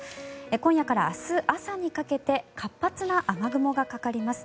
今夜から明日朝にかけて活発な雨雲がかかります。